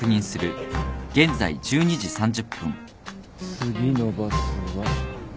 次のバスは。